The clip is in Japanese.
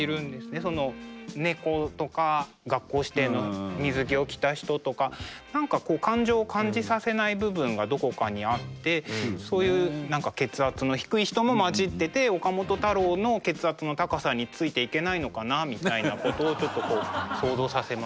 猫とか学校指定の水着を着た人とか何かこう感情を感じさせない部分がどこかにあってそういう何か血圧の低い人も混じってて岡本太郎の血圧の高さについていけないのかなみたいなことをちょっと想像させます。